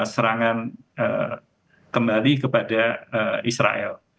serangan kembali kepada israel